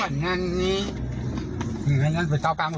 เราไม่ต้องเป็นตายครับ